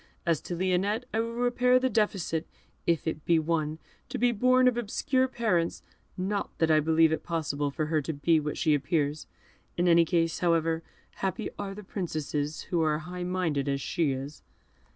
As to Lionette, I will repair the defect, if it be one, to be born of obscure parents, not that I believe it possible for her to be what she appears. In any case, however, happy are the princesses who are as high minded as she is."